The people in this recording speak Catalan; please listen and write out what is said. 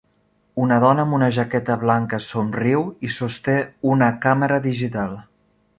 Una dona amb una jaqueta blanca somriu i sosté una càmera digital.